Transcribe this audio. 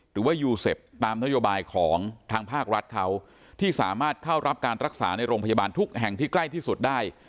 หรือว่ายูเซฟตามนโยบายของทางภาครัฐเขาที่สามารถเข้ารับการรักษาในโรงพยาบาลทุกแห่งที่ใกล้ที่สุดได้